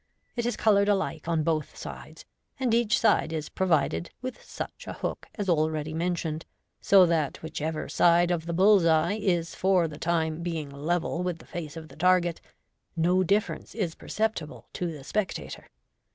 It is coloured alike ou both sides, and each side is provided with such a hook as already mentioned, so that whichever side of the bull's eye is for the time being level with the face of the target, no difference is percep tible to the spectator.